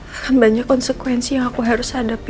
akan banyak konsekuensi yang aku harus hadapi